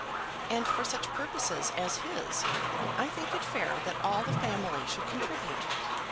And for such purposes as his, I think it fair that all the family should contribute.